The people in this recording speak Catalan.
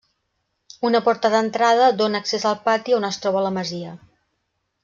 Una porta d'entrada dóna accés al pati on es troba la masia.